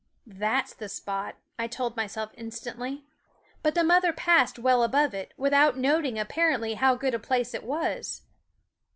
" That 's the spot," I told myself instantly; but the mother passed well above it, without noting apparently how good a place it was.